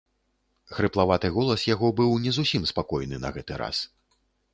Хрыплаваты голас яго быў не зусім спакойны на гэты раз.